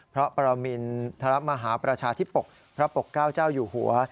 พระประมินทรมาหาประชาธิปกพระปกเก้าเจ้าอยู่หัว